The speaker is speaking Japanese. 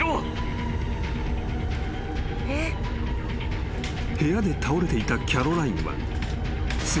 ［部屋で倒れていたキャロラインはすぐに］